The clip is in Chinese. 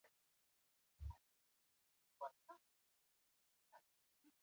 他在第四任帝国皇帝沙胡。